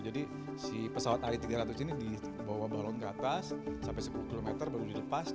si pesawat ai tiga ratus ini dibawa balon ke atas sampai sepuluh km baru dilepas